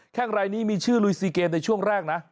แค่งรายนี้มีชื่อลุยซีเกมในช่วงแรกนะ